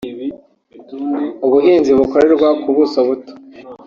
ubuhinzi bukorerwa ku buso buto